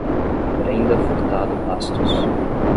Brenda Furtado Bastos